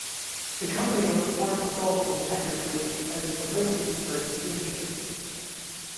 The company looked towards bulk and tanker fleets as replacements for its steamships.